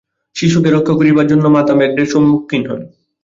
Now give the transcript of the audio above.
শিশুকে রক্ষা করিবার জন্য মাতা ব্যাঘ্রের সম্মুখীন হন।